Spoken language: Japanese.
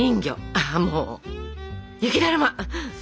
あもう「雪だるま」。